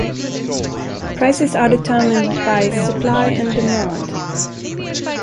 Prices are determined by supply and demand.